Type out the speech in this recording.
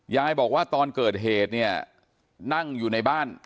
ยายบอกว่าตอนเกิดเหตุเนี่ยนั่งอยู่ในบ้าน